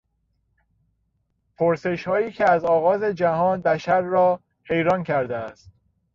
پرسشهایی که از آغاز جهان بشر را حیران کرده است